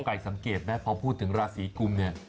ค่ะเพราะกลายสังเกตนะฮะถ้าพูดถึงราศรีกุมเนี่ย